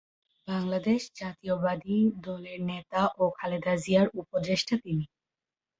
বাংলাদেশ জাতীয়তাবাদী দলের নেতা ও খালেদা জিয়ার উপদেষ্টা তিনি।